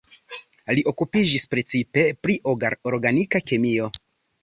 Li okupiĝis precipe pri organika kemio.